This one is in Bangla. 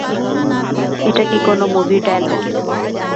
এটাকি কোনও মুভির ডায়ালগ?